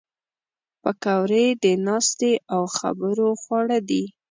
پکورې د ناستې او خبرو خواړه دي